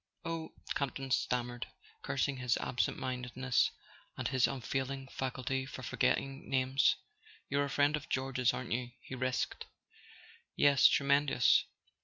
"Oh " Campton stammered, cursing his absent mindedness and his unfailing faculty for forgetting names. "You're a friend of George's, aren't you?" he risked. "Yes—tremendous.